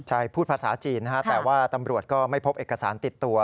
ใช่พูดภาษาจีนนะฮะแต่ว่าตำรวจก็ไม่พบเอกสารติดตัว